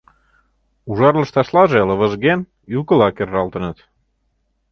Ужар лышташлаже, лывыжген, ӱлкыла кержалтыныт...